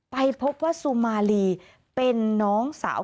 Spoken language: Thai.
ไปพบว่าซูมาลีเป็นน้องสาว